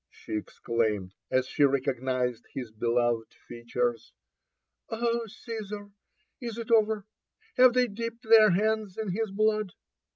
'" she exclaimed, as she recognised his beloved features "^"ob, Casar I»« i8 it over? Have they dipped their hands in his blood